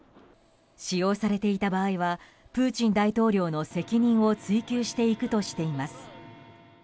使用されていた場合はプーチン大統領の責任を追及していくとしています。